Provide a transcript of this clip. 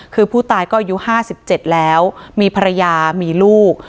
คือผู้ตายก็อายุ๕๗แล้วมีภรรยามีลูก